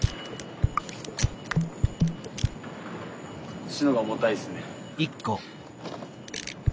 こっちの方が重たいっすね。